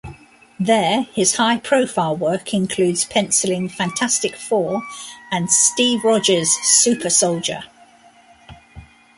There, his high-profile work includes pencilling "Fantastic Four" and" Steve Rogers: Super-Soldier".